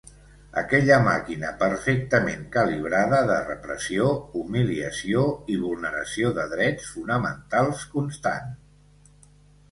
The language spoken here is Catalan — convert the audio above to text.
Aquella màquina perfectament calibrada de repressió, humiliació i vulneració de drets fonamentals constant.